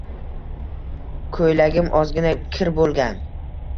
Koʻylagim ozgina kir boʻlgan.